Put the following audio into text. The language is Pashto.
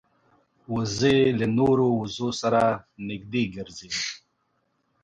وزې له نورو وزو سره نږدې ګرځي